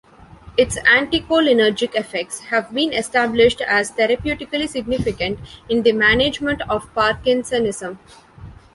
Its anticholinergic effects have been established as therapeutically significant in the management of Parkinsonism.